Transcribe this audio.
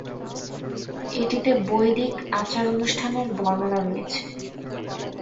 এটিতে বৈদিক আচার-অনুষ্ঠানের বর্ণনা রয়েছে।